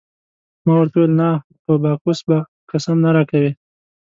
ما ورته وویل: نه په باکوس به قسم نه راکوې.